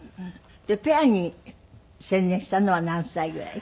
でペアに専念したのは何歳ぐらい？